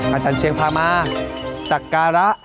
อาจารย์เชียงพามาสักการะ